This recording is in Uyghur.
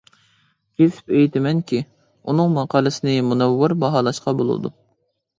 كېسىپ ئېيتىمەنكى، ئۇنىڭ ماقالىسىنى مۇنەۋۋەر باھالاشقا بولىدۇ.